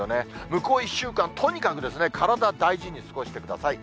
向こう１週間、とにかく体大事に過ごしてください。